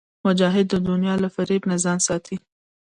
مجاهد د دنیا له فریب نه ځان ساتي.